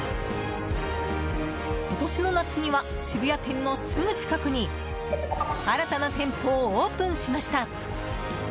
今年の夏には渋谷店のすぐ近くに新たな店舗をオープンしました。